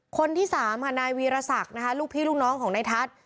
คนที่สามค่ะนายวีรศักดิ์นะคะลูกพี่ลูกน้องของนายทัศน์